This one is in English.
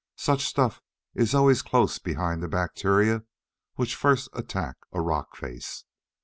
Such stuff is always close behind the bacteria which first attack a rock face.